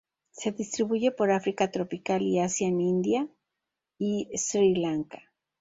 Se distribuye por África tropical y Asia en India y Sri Lanka.